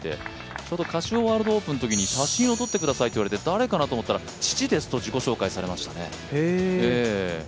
ちょうどカシオワールドオープンのときに写真を撮ってくださいと言われて誰かなと思ったら、父ですと自己紹介されましたね。